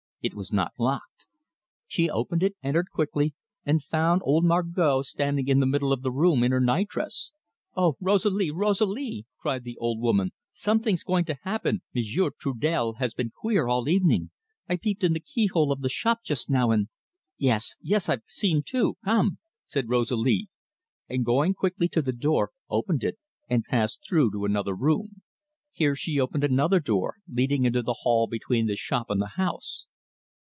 It was not locked. She opened it, entered quickly, and found old Margot standing in the middle of the room in her night dress. "Oh, Rosalie, Rosalie!" cried the old woman, "something's going to happen. M'sieu' Trudel has been queer all evening. I peeped in the key hole of the shop just now, and " "Yes, yes, I've seen too. Come!" said Rosalie, and going quickly to the door, opened it, and passed through to another room. Here she opened another door, leading into the hall between the shop and the house.